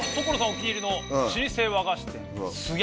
お気に入りの老舗和菓子店「すや」。